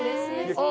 ああ。